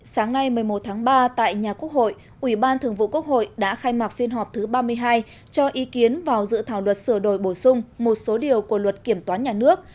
sáng nay một mươi một tháng ba tại nhà quốc hội ủy ban thường vụ quốc hội đã khai mạc phiên họp thứ ba mươi hai cho ý kiến vào dự thảo luật sửa đổi bổ sung một số điều của luật kiểm toán nhà nước